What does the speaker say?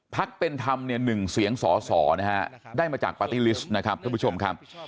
ภักดิ์เป็นธรรมหนึ่งเสียงสอสอได้มาจากปาร์ตี้ลิสต์นะครับท่านผู้ชมครับ